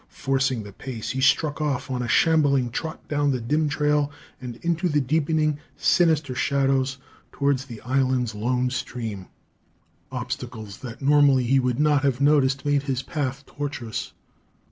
Forcing the pace, he struck off on a shambling trot down the dim trail, on into the deepening, sinister shadows towards the island's lone stream. Obstacles that normally he would not have noticed made his path tortuous.